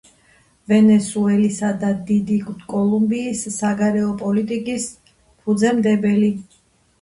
ვენესუელისა და დიდი კოლუმბიის საგარეო პოლიტიკის ფუძემდებელი.